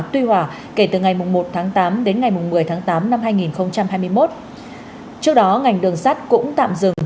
tuy hòa kể từ ngày một tháng tám đến ngày một mươi tháng tám năm hai nghìn hai mươi một trước đó ngành đường sắt cũng tạm dừng